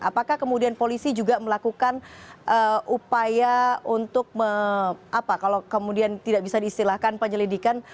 apakah kemudian polisi juga melakukan upaya untuk apa kalau kemudian tidak bisa diistilahkan penyelidikan